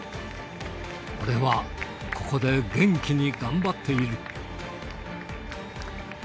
俺はここで元気に頑張っている。